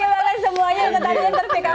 ibu dan anak